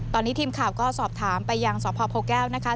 ตอนนี้ทีมข่าวก็สอบถามไปยังสพโพแก้วนะคะ